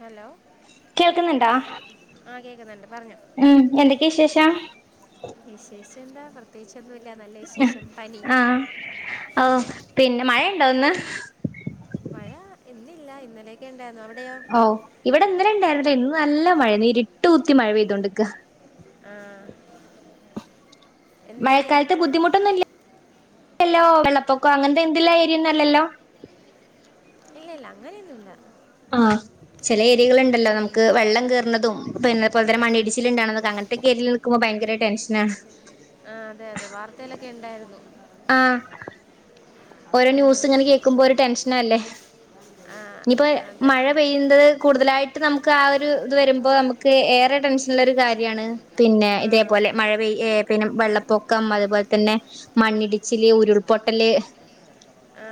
Hello. കേൾക്ക്ന്ന്ണ്ടാ? ആ കേൾക്കുന്നുണ്ട് ഉം. എന്തൊക്കെയാ വിശേഷം? വിശേഷെന്താ പ്രത്യേകിച്ചൊന്നുല്ല. നല്ല വിശേഷം, പനി. ആഹ്. പിന്നെ മഴണ്ടോ ഇന്ന്? മഴാ ഇന്നില്ല. ഇന്നലേക്കെ ഇണ്ടായിരുന്നു. അവിടെയോ? ഓഹ്. ഇവിടെ ഇന്നലെ ഇണ്ടായിരിന്നില്ല. ഇന്ന് നല്ല മഴായിരുന്നു. ഇര്ട്ട് കുത്തി മഴ പെയ്തോണ്ട്ക്കാ. ആഹ്. മഴക്കാലത്ത് ബുദ്ധിമുട്ടൊന്നുല്ലല്ലോ? വെള്ളപ്പൊക്കോ അങ്ങനത്തെ എന്തെല്ലാ ഏരിയന്നല്ലല്ലോ? ഇല്ല ഇല്ല അങ്ങനെയൊന്നുല്ല. ആഹ് ചെല ഏരിയകള്ണ്ടല്ലോ നമക്ക് ഉം. വെള്ളം കേറണതും പിന്നെ ഇപ്പോക്കാരം മണ്ണിടിച്ചിലിണ്ടാണതൊക്കെ അങ്ങൻത്തെക്കെ ഏരിയേല് നിക്കുമ്പോ ഭയങ്കര ടെൻഷനാണ്. ആഹ് അതെ അതെ വാർത്തയിലൊക്കെ ഇണ്ടായിരുന്നു. ആഹ്. ഓരോ ന്യൂസ് ഇങ്ങനെ കേക്കുമ്പോ ഒരു ടെൻഷനല്ലേ? ആ, ആ ഇനിപ്പോ അതെ മഴ പെയ്യണ്ടത് കൂടുതലായിട്ട് നമുക്ക് ആ ഒരു ഇത് വരുമ്പോ നമുക്ക് ഏറെ ടെൻഷന്ള്ള ഒരു കാര്യാണ്. പിന്നെ ആ ഇതേപോലെ മഴ പെയ് ഏഹ് പിന്നെ വെള്ളപ്പൊക്കം അതുപോലെ തന്നെ മണ്ണിടിച്ചില് ഉരുൾപൊട്ടല് ആ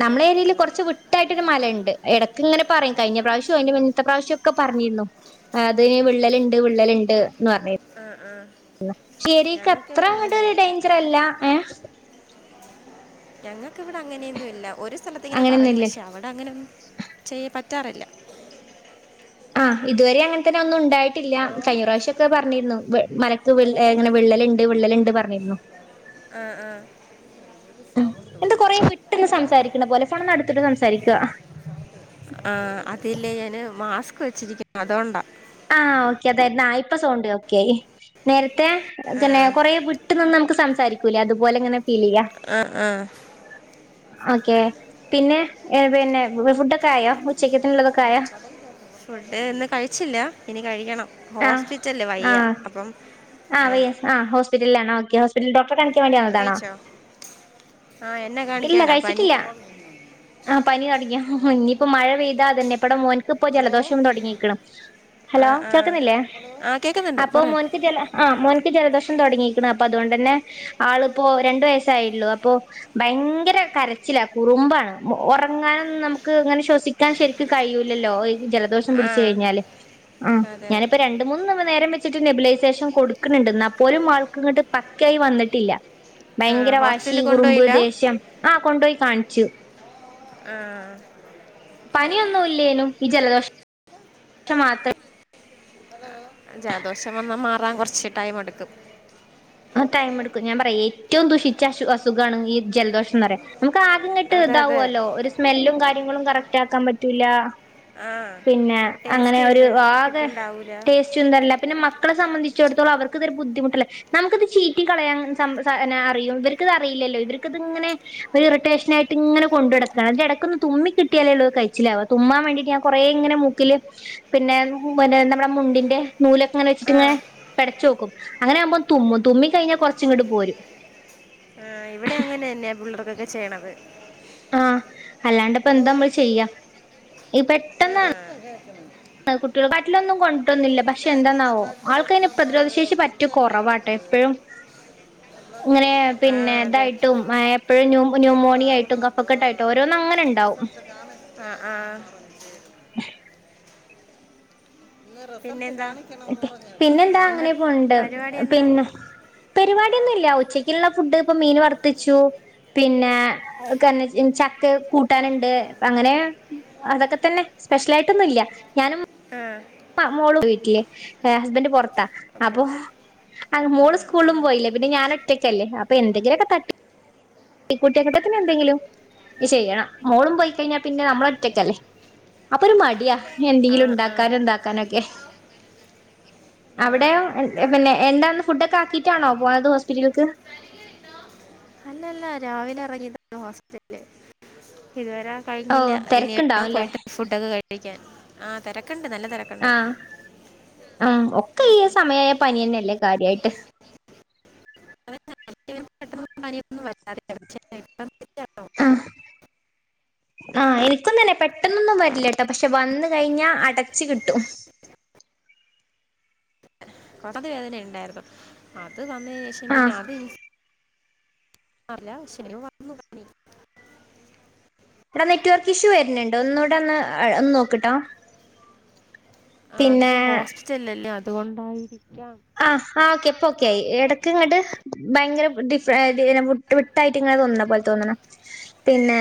അതെ നമ്മളെ ഏര്യേല് ഇവിടെ കൊറച്ച് വിട്ടായിട്ടൊരു മല ഇൺ ണ്ട്. എടക്ക് ഇങ്ങനെ പറയും, കഴിഞ്ഞ പ്രാവശ്യൊ അതിന്റെ മുന്നത്തെ പ്രാവശ്യൊക്കെ പറഞ്ഞിരുന്നു. അതിന് വിള്ളല്ണ്ട് വിള്ളല്ണ്ട് എന്ന് പറഞ്ഞിരു ആഹ് ആഹ്. ശരീക്കത്ര അങ്ങട്ടൊരു ഡേഞ്ചറല്ല ഏഹ് ഞങ്ങക്കിവിടെ അങ്ങനെയൊന്നു ഇല്ല. ഒരു സ്ഥലത്ത് ഇങ്ങനെ പറയും അങ്ങനെയൊന്നുമില്ല പക്ഷേ അവിടെ അങ്ങനൊന്നും ചെയ്യ പറ്റാറില്ല. ആഹ് ഇതുവരെ അങ്ങൻതന്നെ ഒന്നു ഇണ്ടായിട്ടില്ല. ഹലോ കഴിഞ്ഞ പ്രാവശ്യൊക്കെ പറഞ്ഞിരുന്നു മല ത്തുവിൾ ഹലോ എങ്ങനെ വിള്ളല്ണ്ട് വിള്ളല്ണ്ട് പറഞ്ഞിരുന്നു. ആഹ് ആഹ്. ത്ത്ന്ന് സംസാരിക്കണ പോലെ. ഫോണൊന്ന് അട്ത്തിട്ട് സംസാരിക്ക്വാ. ആ അതില്ലേ ഞാന് മാസ്ക് വെച്ചിരിക്കുന്നു. അതുകൊണ്ടാ. ആഹ് ഓക്കെ അതായിര്ന്നൊ. ആഹ് ഇപ്പ സൗണ്ട് ഓക്കെ ആയി. നേരത്തെ ആ പിന്നെ കൊറേ വിട് ട്ട് നിന്ന് നമുക്ക് സംസാരിക്കൂലേ? അത്പോലെ ഇങ്ങനെ ഫീല് ചെയ്യാ. ആഹ് ആഹ്. ഓക്കെ. പിന്നെ, ഏഹ് പിന്നെ ഫുഡ്ഡൊക്കെ ആയോ? ഉച്ചക്കേത്തുള്ളതൊക്കെ ആയോ? ഫുഡ്ഡ് ഇന്ന് കഴിച്ചില്ല. ഇനി കഴിക്കണം. ആഹ് ഹോസ്റ്റിച്ചല്ലെ വയ്യ. അപ്പം അങ്ങനെ ആ ഹോസ്പിറ്റലിലാണ്‌ ഓക്കെ. ഹോസ്പിറ്റലിൽ ഡോക്ടർ കാണിച് ച്ച് കഴിഞ്ഞ് വന്നതാണോ? കഴിച്ചോ ആ എന്നെ ഇല്ല കാണിക്കാനാ പനി കഴിച്ചിട്ടില്ല. ആഹ് പനി തൊടങ്ങിയോ? ഇനിയിപ്പോ മഴ പെയ്താ അതന്നെ ഇപ്പടെ മോൻ ക്കിപ്പോ ഹലോ ജലദോഷം തൊടങ്ങീക്കുണു. ആ ഹലോ ആ കേൾക്കുന്നില്ലേ? ആ കേൾക്കുന്നുണ്ട് അപ്പൊ പറഞ്ഞോ മോൻക്ക് ജല ആഹ് മോൻക്ക് ജലദോഷം തൊട്ങ്ങീക്ക്ണ്. അപ്പൊ അതോണ്ടെന്നെ ആള്പ്പൊ രണ്ട് വയസായിള്ളൂ അപ്പൊ ഭയങ്കര കരച്ചില കുറുമ്പാണ്. ഒറങ്ങാനന്നും നമുക്ക് ങ്ങനെ ശ്വസി ക്കാൻ ശരിക്കും കഴിയൂല്ലല്ലോ ജലദോഷം ആ പിടിച്ച് കഴിഞ്ഞാല് അതെ. ഇപ്പൊ രണ്ട് മൂന്ന് നേരം വെച്ചിട്ട് നെബിലൈസേഷൻ കൊട്ക്ക്ണ്ണ്ട്. ന്നാ പോലും ആൾക്ക് ഇങ്ങട്ട് പക്കായി വന്നിട്ടില്ല. ആ ഭയ്ങ്കര വാശി, ഹോസ്റ്റലിൽ കുറുമ്പ്, കൊണ്ടുപോയില്ല ദേഷ്യം ആഹ് കൊണ്ടോയി കാണ്ച്ചു. ആഹ് പനിയൊന്നും ഇല്ലേനും ഈ ജലദോഷ മാത്രം. [unintelligible] ജലദോഷം വന്ന മാറാൻ കൊർച്ച് ടൈം എടുക്കും. ആഹ് ടൈം എടുക്കും. ഞാൻ പറയെ ഏറ്റവും ദൂഷിച്ച അശു അസുഖാണ് ഈ ജലദോഷംന്നറയാ. നമ്മക്ക് ആകംങ്ങിട്ട് അതെ അതെ താവോല്ലോ. ഒരു സ്മെല്ലും കാര്യങ്ങളും കറക്റ്റ് ആക്കാൻ പറ്റൂല. ആ പിന്നെ അങ്ങനെ ടേസ്റ്റ് ഒരു ഉണ്ട് ആകെ കിട്ടുന്നുണ്ടാവൂല ടേ [unintelligible] പിന്നെ മക്കളെ സംബന്ധിച്ചോട്ത്തോളം അവർക്ക് ഇതൊരു ബുദ്ധിമുട്ടല്ലെ നമുക്കത് ചീറ്റി കളയാൻ അറിയും. ഇവർക്കത് അറിയില്ലല്ലോ ഇവർക്കത് ഇങ്ങനെ ഒരു ഇറിട്ടേഷനായിട്ട് ഇങ്ങന കൊണ്ട് നടക്ക. അതിന്റെടെക്കെന്ന് തുമ്മി കിട്ടിയാലെള്ളൂ അത് കഴിച്ചില്ലാവ. തുമ്മാൻ വേണ്ടിട്ട് ഞാ കൊറെ ഇങ്ങനെ മൂ ക്കില് പിന്നെ നമ്മടെ മുണ്ടിന്റെ നൂല് അങ്ങനെ വച്ച്ട്ടിങ്ങെ ആ പെട്ച്ചോക്കും. അങ്ങനെ ആമ്പൊ തുമ്മും. തുമ്മിക്കഴിഞ്ഞാ കൊർച്ച്ങ്ങട്ട് പോരും. [unintelligible] ഇവടെ അങ്ങനെന്നെ പിള്ളർക്കൊക്കെ ചെയ്യണത്. ആഹ് അല്ലാണ്ട്പ്പോ ഹലോ എന്താമ്മൾ ഓ, ചെയ്യാ. ഈ പെട്ടെന്നാ അതക്ക. കുട്ട്യാളെ കാട്ടിലൊന്നും കൊൻട്ടൊന്നില്ല. പ പക്ഷെ ഇനി ഇതാ എന്തന്നാവോ ബ്ലഡ് ആൾക്കയ്ന് കൊടുക്കാൻ പ്രതിരോധ പോണതേ ശേഷി ഉള്ളൂ പറ്റെ ഇഞ്ചക്ഷൻ കൊറവാട്ടെ എടുക്കുന്നത് എപ്പഴും. ബ്ലഡ് ഇങ്ങനെ കൊടുക്കാൻ ആ പിന്നെ അതെ ഇതായിട്ടും എപ്പഴും ന്യൂ എപ്പോൾ ന്യൂമോണിയായ്ട്ടും കഫക്കെട്ടായിട്ടും ഓരോന്നും അങ്ങനെണ്ടാവും. അഹ് ആഹ് പിന്നെന്താ? കാണിക്കണം എന്ന് പറഞ്ഞു ടെസ്റ്റ് പിന്നെന്താ ചെയ്ത് എന്താ അങ്ങനെ പോണ്ണ്ട് പരിപാടി എന്താ പിന്നെ. പരിവാടിയൊന്നുംല്ല ഉച്ചക്ക്ള്ള ഫുഡ് ഇപ്പ മീന് വർത്തച്ചു പിന്നെ. കന്ന ചക്ക കൂട്ടാന്ണ്ട് അങ്ങനെ. അതൊക്കെ തന്നെ സ്പെഷ്യലായിട്ടൊന്നും ഇല്ല ഞാനും. ആ ആഹ് മോളു വീട്ടില് ഹസ്ബന്റ് പൊറത്താ ഓക്കെ ഓക്കെ. അപ്പൊ. അഹ് ആ മോള് സ്കൂള്ളും പോയില്ലേ. പിന്നെ ഞാനൊറ്റയ്ക്കല്ലേ. അപ്പൊ എന്തെങ്കിലൊക്കെ തട്ടി കൂട്ടി [unintelligible] എന്തെങ്കിലും ചെയ്യണം. മോളും പോയി കഴിഞ്ഞാ പിന്നെ നമ്മളൊറ്റയ്ക്കല്ലേ. അപ്പൊ ഒരു മടിയാ ആ എന്തെങ്കിലും ആ ഇണ്ടാക്കാനും ഇതാക്കാനൊക്കെ. ആ അവിടെ പിന്നെ എന്താന്ന് ഫുഡക്കെ ആക്കിട്ടാണോ പോയത് ഹോസ്പിറ്റൽക്ക്. ല്ല രാവിലെ എറങ്ങിതാ ഹോസ്പിറ്റല്ല് ഇതുവരെ. ഓ കഴിഞ്ഞില്ല. ഇനി തിരക്കുണ്ടാവുംല്ലേ പോയിട്ട് ഫുഡൊക്കെ കഴിക്കാൻ ആ തെരക്ക്ണ്ട് നല്ല തെര ആഹ് ആഹ് ഒക്കെ ഈ സമയായ പനിന്നെ അല്ലേ കാര്യയിട്ട്. [unintelligible] ഇപ്പം ശരിയാണോ? അഹ് ആഹ് എനിക്കൊന്നന്നെ പെട്ടെന്നൊന്നും വരില്ലട്ടോ. പക്ഷെ വന്ന് കഴിഞ്ഞാ അടച്ച് കിട്ടും. വേദന ഇണ്ടായ്രുന്നു. അത് വന്നേനേഷം പിന്നെ ആഹ് അത് [unintelligible] എട നെറ്റ്വർക്ക് ഇഷ്യൂ വര്ന്ന്ണ്ട്. ഒന്നൂടെ ഒന്ന് ഒന്ന് നോക്ക്ട്ടോ. ആഹ് പിന്നെ അതിപ്പോ ഹോസ്പിറ്റലല്ലേ അതുകൊണ്ടായിരിക്കാം. ആഹ് ആഹ് ഓക്കെ ഇപ്പൊ ഓക്കെ ആ എടക്കീങ്ങട്. ഭയങ്കര ഡിഫ വിട്ടായിട്ട് ഇങ്ങനെ തോന്നുന്ന പോലെ തോന്നണു പിന്നെ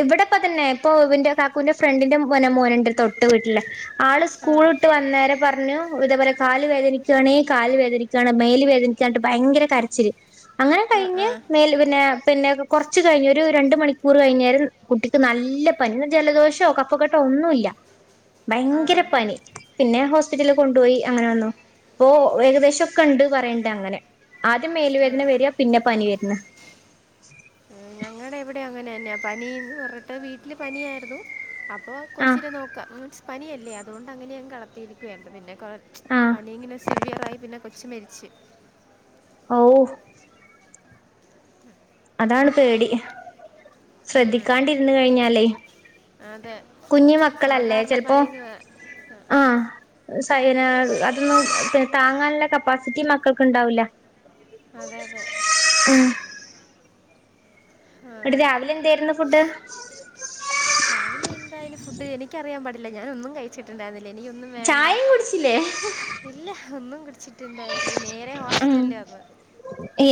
ഇവിടെപ്പ തന്നെ ഇപ്പൊ ഇന്റെ കാക്കുവിന്റെ ഫ്രണ്ടിന്റെ മനെ മോനണ്ട. തൊട്ട് വീട്ടിലേ ആളെ ആ സ്കൂൾട്ട് വന്നേരം പറഞ്ഞു ഇതവരെ കാൽ.. മുട്ട് വേദനികാണ് കാല് വേദനിക്കയാണ് മേൽ വേദനിച്ചട്ട് ഭയങ്കര കരച്ചില് അങ്ങനെ ആ കഴിഞ്ഞ് ആ മേല് പിന്നെ പിന്നെ. കുറച്ച് കഴിഞ്ഞ് ഒരു രണ്ട് മണിക്കൂർ കഴിഞ്ഞേരം കുട്ടിക്ക് നല്ല പനി ജലദോഷോ കഫക്കെട്ടോഒന്നുയില്ല.. ആ ഭയങ്കര പനി പിന്നെ ഹോസ്പിറ്റലിൽ. കൊണ്ടോയി അങ്ങനെ വന്നു. ഇപ്പൊ ഏകദേശംക്കെണ്ട് പറയണ്ട് അങ്ങനെ ആദ്യം മേലുവേദന വരിക പിന്നെ പനി വെരുന്ന്‌.. ഞങ്ങടെ എവിടെങ്ങനെന്നെയ. പനിന്ന് പറഞ്ഞിട്ട് വീട്ടിലെ പനിയാരുന്നു.. അപ്പോ ആഹ് കൊച്ചിനെ നോക്കാം മീൻസ് പനിയല്ലേ. അതോണ്ട് അങ്ങനെയങ്. കളത്തിയിരു വെയർകുന്നില്ല കൊറച് ആഹ് പനി ഇങ്ങനെ സിവിയർ ആയി പിന്നെ കൊച്ച് മരിച്ച്.. ഔഹ്. അതാണ് പേടി. ഉം. ശ്രദ്ധിക്കാണ്ടിരുന്ന്. കഴിഞ്ഞാലേ. അതെ കുഞ്ഞു മക്കളല്ലേ സാധാരണ പനിന്ന് വെ. അഹ് സൈനാ. അതൊന്നും താങ്ങാനുള്ള കപ്പാസിറ്റി മക്കൾക്ക്. ഉണ്ടാവൂല്ല. അതെ അതെ. ഉം ആ. എടി രാവിലെ എന്തേരുന്നു ഫുഡ്. രാവിലെ എന്തായനുഫുഡ്. എനിക്കറിയാൻ പാടില്ല. ഞാനൊന്നും. കഴി.. ച്ചിട്ടുണ്ടായിരുന്നില്ല. എനിക്കൊന്നും വേണ്ട. ചായയും കുടിച്ചില്ലേ ഇല്ല ഒന്നുംകുടിച്ചി.. ണ്ട നേരെ ഉം ഹോസറ്റിറ്റല ആന്ന്.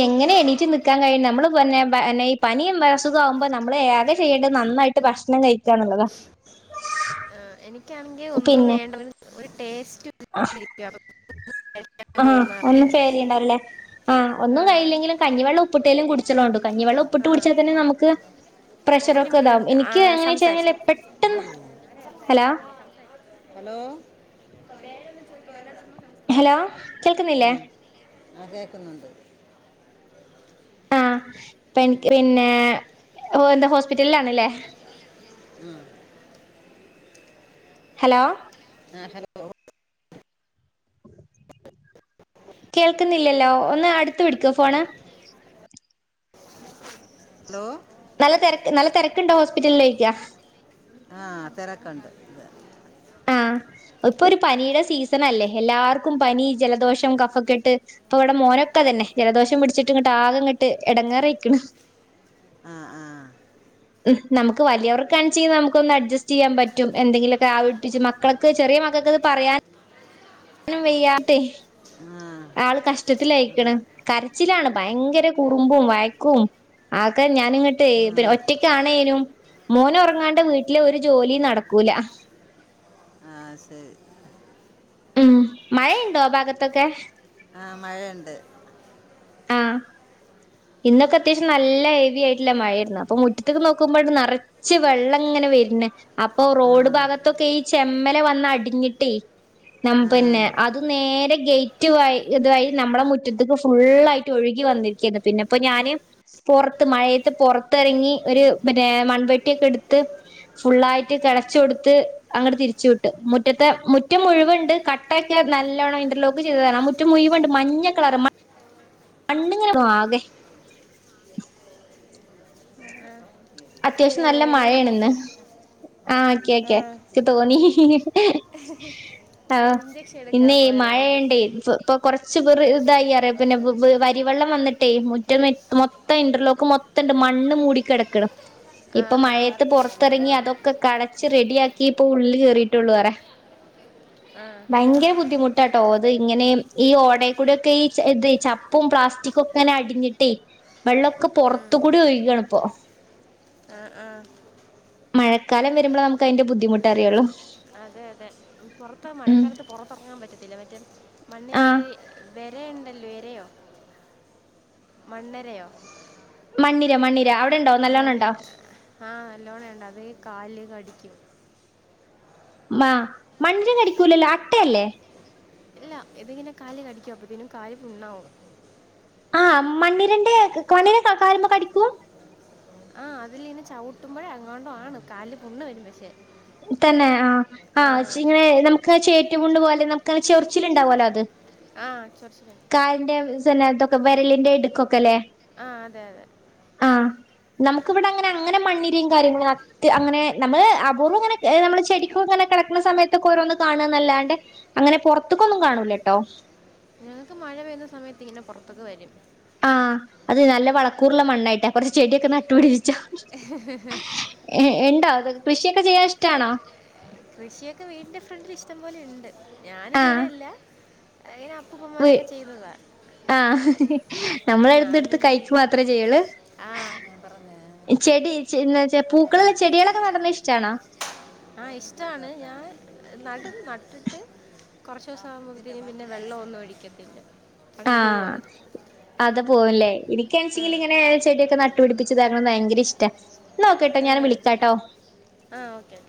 എങ്ങനെ എണിറ്റ് നിക്കാൻ കഴിയുനേ കഴിയും. നമ്മള് പൊന്നെ. ഈ പനിയും അസുഖ വുമ്പോനമ്മളേ ഏതെ ചെയ്യണ്ടത് നന്നായിട്ട് ഭക്ഷണം. കെഴിയിക്കാന്നുള്ളതാ ആഹ് എനിക്കാണെങ്കി ഒന്നും വേണ്ട. ഒരു ടേസ്റ്റ് വില്ല ആഹ് ഒന്നു ചെയ്യിലുണ്ടാവുലല്ലേ. ആഹ് ആ ഒന്നും കയ്യില്ലെങ്കിലും കഞ്ഞിവെള്ളം ഉപ്പിട്ടേലും കുട്.. ച്ചലൊണ്ട്. കഞ്ഞിവെള്ളംപ്പിട്ട് ആ കുടിച്ചാൽ തന്നെ നമുക്ക്. ഒരു പ്രഷറൊക്കെ ഇതാവും. മിനിറ്റ് എനിക്ക് എങ്ങനെ സംസാരിച്ചു വെച്ചഴിഞ്ഞാൽപെട്ടെന്ന് ആരുമില്ല. Hello.. hello. ഹലോ കേക്കുന്നില്ലേ.. ആഹ് കേക്കുന്നുണ്ട്. ആ. പെൻക്ക് പിന്നെ. ഓനന്ത് ഹോസ്പിറ്റലാണ്ലേ. ആഹ് ഹലോ. ആഹ് ഹലോ. കേക്കുന്നില്ലല്ലോ ഒന്ന് അടുത്ത് പിടിക്കോ ഫോണ്. ഹലോ. നല്ല തെരക്ക് നല്ല തേരക്കുണ്ടോ ഹോസ്പിറ്റല്ല്യക്കാ. ആഹ് തെരക്കുണ്ട്. ആഹ് ഇപ്പൊ ഒരു പനിയുടെ സീസൺ അല്ലേ എല്ലാർക്കും പനി ജലദോഷം കഫക്കെട്ട്. ഇപ്പൊ ഇവിടെ മോനൊക്കെ അതന്നെ ജലദോഷം പിടിച്ചിട്ട് ങ്ങട്ട്ആകെങ്ങട്ട് ഇടങ്ങേറിയിക്കിണ്.. ആ ആ ഉം നമക് വലിയവർകാണിച്ച നമുക്ക് ഒന്ന് അഡ്ജസ്റ്റ് ചെയ്യാൻ പറ്റും. എന്തെങ്കിലൊക്കെആവിട്പ്പിച്ച് മക്കളെ ക് ചെറിയ മക്കക്ക് പറയാൻ നും വെയ്യട്ടെ.. ആഹ് ആള് കഷ്ട്ടത്തിലായിക്ക്ണ് കരച്ചിലാണ് ഭയങ്കര കുറുമ്പും വയക്കും. ആക്കെ ഞാനിങ്ങട്ട് ഏ ആ പിന്നെ ഒറ്റക്കാണേനും. മോനൊറങ്ങാണ്ട് വീട്ടിലെ ഒരു ജോലിം നടക്കൂലാ. [unintelligible] ഉം മയയ്ണ്ടോ ആ ഭാഗത്തൊക്കെ? ആഹ് മഴെണ്ട്. ആഹ് ഇന്നൊക്കെത്യാവശ്യം നല്ല ഹെവി ആയിട്ട്ള്ള മഴയായിരുന്നു അപ്പൊ മുറ്റത്തക്ക് നോക്കുമ്പണ്ട് നറച്ച് ച്ച് വെള്ളങ്ങനെ വെര്ണ് അപ്പൊ ഈ ആ റോഡ് ഭാഗത്തൊക്കെ ഈ ചെമ്മല വന്ന് അടിഞ്ഞിട്ടേ നം ആ പിന്നെ അത് നേരെ ഗേറ്റ് വയി ഇത് വഴി നമ്മളെ മുറ്റത്തക്ക് ഫുള്ളായിട്ട് ഒഴുകി വന്നി ക്കിത് പിന്നെ അപ്പൊ ഞാന് പൊറത്ത് മഴയത്ത് പൊറത്തെറങ്ങി, ഒരു മറ്റേ മൺവെട്ടിയൊക്കെ എടുത്ത് ഫുള്ളായിറ്റ് കെളച്ച് കൊടുത്ത് അങ്ങട് തിരിച്ചു വിട്ട് മുറ്റത്തെ മുറ്റം മുഴുവൻണ്ട്, കട്ടെക്കെ നല്ലോണ്ണം ഇന്റർലോക്ക് ചെയ്തതാണ് ആ മുറ്റ് മുറ്റം മുയുവണ്ട് മഞ്ഞ കളറ് മ മണ്ണ്ങ്ങനെ വാകെ അത്യാവശ്യം ഹലോ നല്ല ഞാൻ മഴയാണ് വന്നു ഇന്ന്, ആഹ് മടക്കി ക്കെ ആ ക്കെ, ഇക്ക് തിരിഞ്ഞോ. തോന്നി. ഞാൻ ഇഞ്ജെക്ഷൻ എടുക്കാൻ പോയതായിരുന്നു. ഇപ് ഇപ്പൊ കൊറച്ച് വ്റ് ഇതായി പറയാ, പിന്നെ ബസ് വ് എടുക്കാൻ വരിവെള്ളം വന്നിട്ടേ മുറ്റം [unintelligible] മൊത് മൊത്തം ഇന്റർലോക്ക് മൊത്തണ്ട് മണ്ണ് മൂടിക്കെടക്ക്ണ്. ആ ഇപ്പൊ ആ മഴയത്ത് പിന്നെ പൊറത്തെറങ്ങി അതൊക്കെ കളച്ച് റെഡിയാക്കി, ഇപ്പൊ ഉള്ളിൽ കയറിയിട്ടുള്ളു പറയാ ആഹ് ഭയങ്കര ബുദ്ധിമുട്ടാട്ടോ, അത് ഇങ്ങനെ ഈ ഓടെ കൂടെ ഒക്കെ ഈ ച ഇത് ചപ്പും പ്ലാസ്റ്റിക് കൊക്കെങ്ങനെ അടിഞ്ഞിട്ടേ, വെള്ളൊക്കെ പൊറത്ത് കൂടി ഒഴ്കാണിപ്പൊ. ആഹ് ആഹ് മഴക്കാലം വരുമ്പളാ നമുക്ക് അതിന്റെ ബുദ്ധിമുട്ട് അറിയോള്ളു. അതെ അതെ, ഉം പൊറത്ത് മഴക്കാലത്ത് പൊറത്തെറങ്ങാൻ പറ്റത്തില്ലാ മറ്റേ ആഹ് മണ്ണിലൊര് വേ എരയെണ്ടല്ലോ എരയോ മണ്ണരയോ? മണ്ണിര മണ്ണിര അവിട് മണ്ണിരാ ആഹ്, നല്ലോണം ഇണ്ട് അത് കാലില് കടിക്കും. മ മണ്ണിര കടിക്കൂലല്ലോ? അട്ടയല്ലേ? അല്ല, ഇത്ങ്ങനെ കാലില് കടിക്കും, അപ്പോത്തിനും കാല് പുണ്ണാവും. ആഹ്, മണ്ണിരെന്റെ മണ്ണിര കാല്മ്മെ കടിക്കും? ആഹ്, അതില് ഇങ്ങനെ ചവുട്ടുമ്പഴോ എങ്ങാണ്ടോ ആണ് കാലില് പുണ്ണ് വരും, പക്ഷേ തന്നെ ആഹ്, ആ ആഹ് ചി ഇങ്ങനെ നമക്ക് ചേറ്റുപുണ്ണ് പോലെ നമുക്കങ്ങനെ ചൊറിച്ചില്ണ്ടാവല്ലോ അത്. ആഹ്, ചൊറിച്ചില്ണ്ട് കാലിന്റെ [unintelligible] ത്തൊക്കെ വെരലിന്റെ ഇടുക്കൊക്കെല്ലേ? ആഹ്, അതെ അതെ. ആഹ്, നമ്മക്ക് ഇവിടെ അങ്ങനെ അങ്ങനെ മണ്ണിരേം കാര്യങ്ങളു അത്ത് അങ്ങനെ നമ്മള് [unintelligible] ഇങ്ങനെ നമ്മള് ചെടിക്ക് ഇങ്ങനെ കെളക്കണ സയത്തൊക്കെ ഓരോന്ന് കാണാന്നല്ലാണ്ട് അങ്ങനെ പൊറത്ത്ക്കൊന്നും കാണൂലാട്ടോ. ഞങ്ങക്ക് മഴ പെയ്യുന്ന സമയത്ത് ഇങ്ങനെ പൊറത്തൊക്കെ വരും. ആഹ്, അത് നല്ല വളക്കൂറുള്ള മണ്ണായിട്ടാ കൊറച്ച് ചെടിയൊക്കെ നട്ടു പിടിപ്പിച്ചോ. എഹ് എണ്ടോ അത്, കൃഷിയൊക്കെ ചെയ്യാൻ ഇഷ്ട്ടാണോ? കൃഷിയൊക്കെ വീടിന്റെ ഫ്രണ്ടില് ഇഷ്ടം പോലെ ഉണ്ട്. ഞാന് ആഹ് ചെയ്യ്ണല്ല. അയിന് വ് അപ്പൂപ്പമാരൊക്കെ ചെയ്തതാ. ആഹ് നമ്മള്ള് അവിട്ന്നെടുത്ത് ഞാനൊന്നും കൈക്കു ചെയ്തില്ല മാത്രേ ചെയ്യുള്ളു? ആ ഞാൻ പറഞ്ഞ ചെടി ചെ എന്ന് വെച്ച പൂക്കളുള്ള ചെടികളൊക്കെ നടുന്നത് ഇഷ്ടാണോ? ആഹ്, ഇഷ്ടാണ്. ഞാൻ നടും, നട്ടിട്ട്... കുറച്ച് ദിവസം ആവുമ്പത്തേക് പിന്നെ വെള്ളം ഒന്നും ഒഴിക്കത്തില്ല. അങ്ങ് പോവും ആഹ് അത് അത് പോവും ല്ലേ? ആ എനിക്കാണെച്ചെങ്കിൽ ഇങ്ങനെ ചെടിയൊക്കെ നട്ടുപിടിപ്പിച്ച് താക്ക്ണ് ഭയങ്കര ഇഷ്ട. ന്നാ ഓക്കെട്ടോ, ഞാൻ വിളിക്കാട്ടോ? ആഹ്, ഓക്കെ.